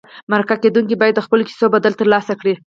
مرکه کېدونکي باید د خپلو کیسو بدل ترلاسه کړي.